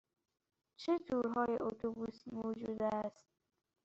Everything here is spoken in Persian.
چه تورهای اتوبوسی موجود است؟